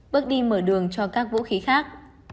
bước đi mở đường cho các vũ khí khác